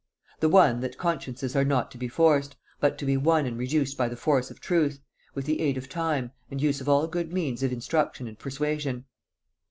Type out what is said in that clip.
The one, that consciences are not to be forced, but to be won and reduced by the force of truth, with the aid of time, and use of all good means of instruction and persuasion.